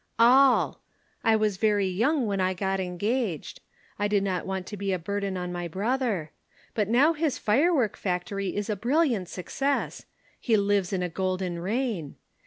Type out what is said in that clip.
"All. I was very young when I got engaged. I did not want to be a burden on my brother. But now his firework factory is a brilliant success. He lives in a golden rain.